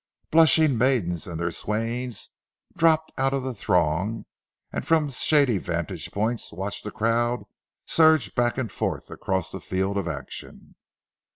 Blushing maidens and their swains dropped out of the throng, and from shady vantage points watched the crowd surge back and forth across the field of action.